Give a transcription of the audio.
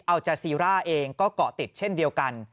จาซีร่าเองก็เกาะติดเช่นเดียวกัน